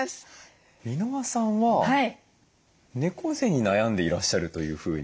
箕輪さんは猫背に悩んでいらっしゃるというふうに。